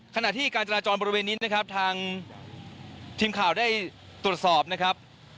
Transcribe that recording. ขณะที่การจราจรบริเวณนี้นะครับทางทีมข่าวได้ตรวจสอบนะครับ